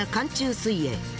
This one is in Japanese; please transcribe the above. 水泳！